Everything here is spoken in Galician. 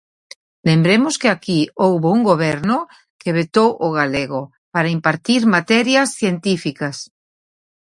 Lembremos que aquí houbo un Goberno que vetou o galego para impartir materias científicas.